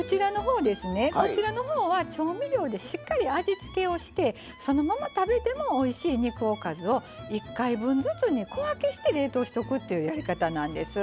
こちらのほうは調味料でしっかり味付けをしてそのまま食べてもおいしい肉おかずを１回分ずつに小分けして冷凍しとくっていうやり方なんです。